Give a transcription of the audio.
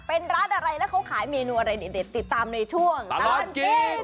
เป็นร้านอะไรแล้วเขาขายเมนูอะไรเด็ดติดตามในช่วงตลอดกิน